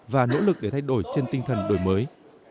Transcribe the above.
và nỗ lực để thay đổi trên tinh thần đổi mới